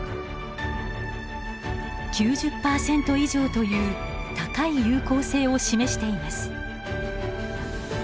９０％以上という高い有効性を示しています。